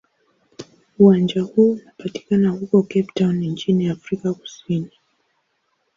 Uwanja huu unapatikana huko Cape Town nchini Afrika Kusini.